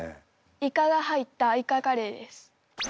イカが入ったイカカレーです。